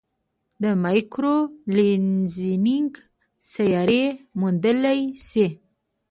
د مایکرو لینزینګ سیارې موندلای شي.